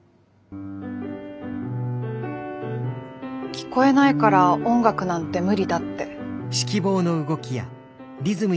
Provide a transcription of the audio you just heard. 聞こえないから音楽なんて無理だって。